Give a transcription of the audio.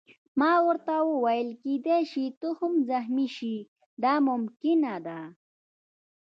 ما ورته وویل: کېدای شي ته هم زخمي شې، دا ممکنه ده.